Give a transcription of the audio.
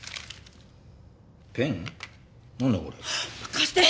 貸して！